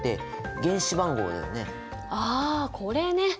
あこれね。